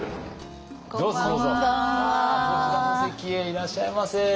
こちらの席へいらっしゃいませ。